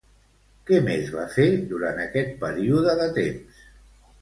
Què més va fer durant aquest període de temps?